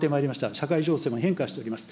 社会情勢も変化しております。